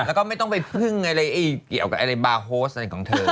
แล้วก็ไม่ต้องไปพึ่งอะไรเกี่ยวกับอะไรบาร์โฮสอะไรของเธอ